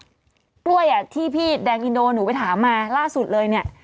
กล้วยอ่ะที่พี่แดงอินโดหนูไปถามมาล่าสุดเลยเนี่ย